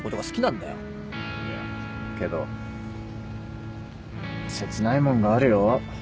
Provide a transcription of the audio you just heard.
いやけど切ないもんがあるよ